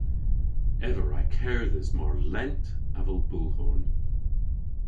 Ev a wra kerdhes mar lent avel bulhorn.